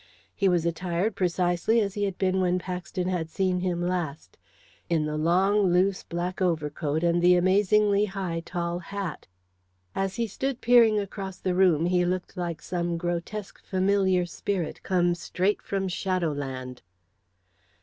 He was attired precisely as he had been when Paxton had seen him last in the long, loose, black overcoat and the amazingly high tall hat. As he stood peering across the room, he looked like some grotesque familiar spirit come straight from shadowland.